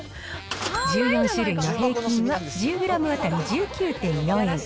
１４種類の平均は１０グラム当たり１９．４円。